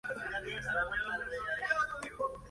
Es la capital administrativa de la Provincia de Como.